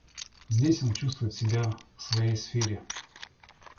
Здесь он чувствует себя в своей сфере.